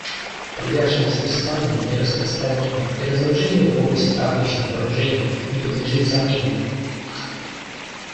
Приверженность Испании нераспространению и разоружению в области обычных вооружений не подлежит сомнению.